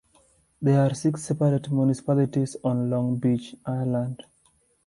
There are six separate municipalities on Long Beach Island.